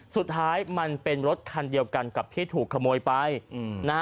สุดท้ายมันเป็นรถคันเดียวกันกับที่ถูกขโมยไปนะฮะ